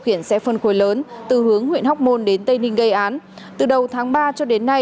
khiển xe phân khối lớn từ hướng huyện hóc môn đến tây ninh gây án từ đầu tháng ba cho đến nay